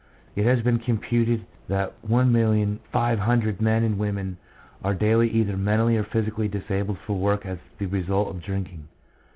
It has been computed that 1,500,000 men and women are daily either mentally or physically disabled for work as the result of drinking.